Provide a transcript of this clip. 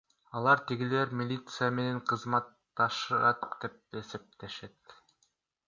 Алар тигилер милиция менен кызматташышат деп эсептешет.